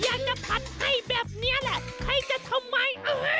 อยากจะผัดให้แบบนี้แหละใครจะทำไม